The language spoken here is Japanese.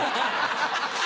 ハハハ！